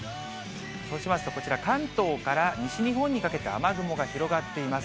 そうしますとこちら、関東から西日本にかけて雨雲が広がっています。